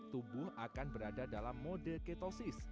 tubuh akan berada dalam mode ketosis